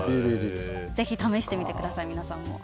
ぜひ試してみてください、皆さんも。